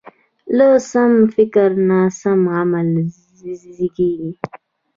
له سم فکر نه سم عمل زېږي.